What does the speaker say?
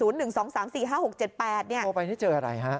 โทรไปแล้วเจออะไรฮะ